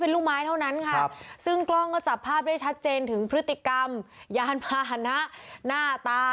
ลูกไม้เท่านั้นค่ะซึ่งกล้องก็จับภาพได้ชัดเจนถึงพฤติกรรมยานพาหนะหน้าตา